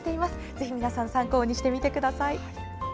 ぜひ皆さん参考にしてみてください。